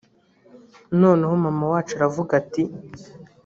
noneho mama wacu aravuga ati